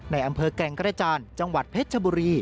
ในอำเภอแก่งกระจานจังหวัดเพชรชบุรี